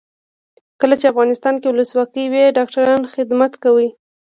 کله چې افغانستان کې ولسواکي وي ډاکټران خدمت کوي.